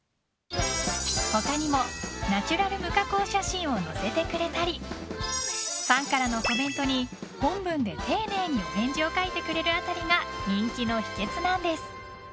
他にもナチュラル無加工写真を載せてくれたりファンからのコメントに本文で丁寧にお返事を書いてくれる辺りが人気の秘訣なんです。